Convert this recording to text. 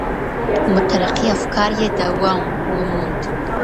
مترقي افکار یې دوام وموند